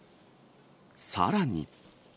さらに。